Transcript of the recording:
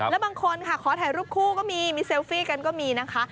แล้วบางคนค่ะขอถ่ายรูปคู่ก็มีมีเซลฟี่กันก็มีนะคะ